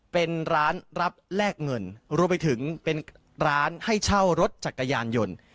เป็นร้านรับแลกเงินรวมไปถึงเป็นร้านให้เช่ารถจักรยานยนต์